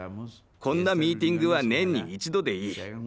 こんなミーティングは年に１度でいい。